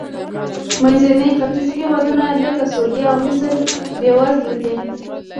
د منځني ختیځ هېوادونه لکه سوریه او مصر بېوزله دي.